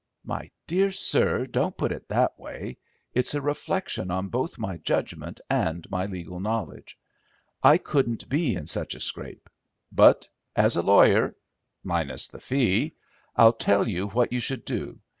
"My dear sir, don't put it that way. It's a reflection on both my judgment and my legal knowledge. I couldn't be in such a scrape. But, as a lawyer—minus the fee—I'll tell you what you should do.